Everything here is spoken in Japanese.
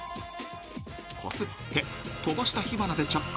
［こすって飛ばした火花で着火ですが］